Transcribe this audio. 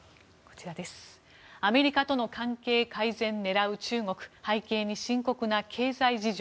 アメリカとの関係改善狙う中国背景に深刻な経済事情。